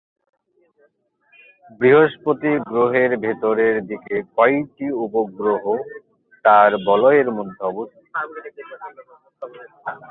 বৃহস্পতি গ্রহের ভিতরের দিকের কয়েকটি উপগ্রহ তার বলয়ের মধ্যে অবস্থিত।